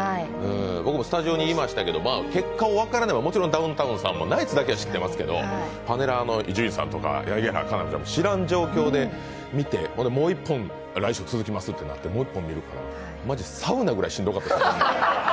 私もスタジオにいましたが結果を分からない、もちろんダウンタウンさんも、ナイツだけは知ってますけど、パネラーの伊集院さんとかも知らない状態でもう１本来週続きますってなって、もう１本見るからマジ、サウナぐらいしんどかったです。